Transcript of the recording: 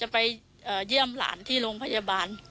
ไปเยี่ยมหลานที่โรงพยาบาล